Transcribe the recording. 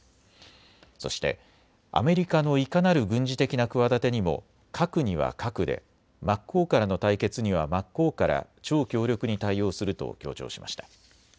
そしてアメリカのいかなる軍事的な企てにも核には核で、真っ向からの対決には真っ向から超強力に対応すると強調しました。